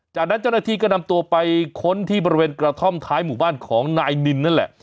จากนั้นเจ้าหน้าที่ก็นำตัวไปค้นที่บริเวณกระท่อมท้ายหมู่บ้านของนายนินนั่นแหละ